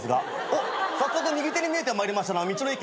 おっ早速右手に見えてまいりましたのは道の駅。